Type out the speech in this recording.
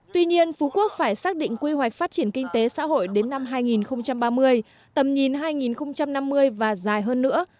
tuy nhiên phú quốc phải xác định quy hoạch phát triển kinh tế xã hội đến năm hai nghìn ba mươi tầm nhìn hai nghìn năm mươi và dài hơn nữa